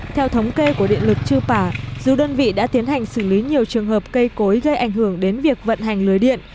theo thống kê của điện lực chư pả dù đơn vị đã tiến hành xử lý nhiều trường hợp cây cối gây ảnh hưởng đến việc vận hành lưới điện